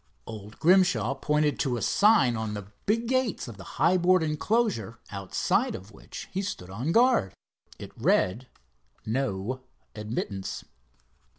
Old Grimshaw pointed to a sign on the big gates of the high board enclosure outside of which he stood on guard. It read: "No Admittance."